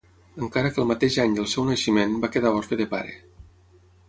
Encara que el mateix any del seu naixement va quedar orfe de pare.